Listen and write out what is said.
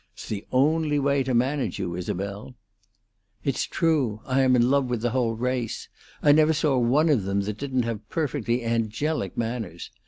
It's the only way to manage you, Isabel." "It's true. I am in love with the whole race. I never saw one of them that didn't have perfectly angelic manners.